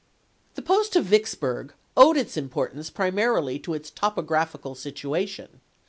The post of Vicksburg owed its importance pri marily to its topographical situation.